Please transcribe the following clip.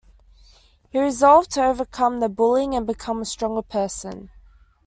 He resolved to overcome the bullying and become a stronger person.